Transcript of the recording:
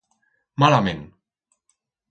Malament!